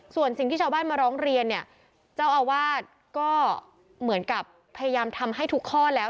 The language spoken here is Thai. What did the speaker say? ส่วนสิ่งที่ชาวบ้านมาร้องเรียนเนี่ยเจ้าอาวาสก็เหมือนกับพยายามทำให้ทุกข้อแล้ว